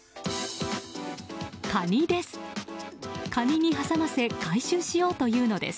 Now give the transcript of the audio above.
カニです。